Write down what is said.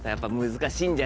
難しい。